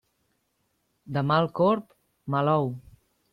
De mal corb, mal ou.